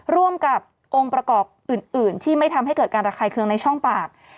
ร่วมกับองค์ประกอบอื่นที่ไม่ทำให้เกิดการระคายเคืองในช่องปาก